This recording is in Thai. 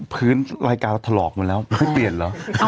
พื้นรายการเราทะลอกหมดแล้วพุทธ์เปลี่ยนหรอ